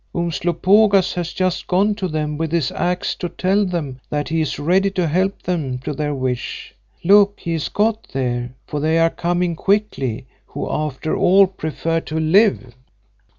Umslopogaas has just gone to them with his axe to tell them that he is ready to help them to their wish. Look, he has got there, for they are coming quickly, who after all prefer to live."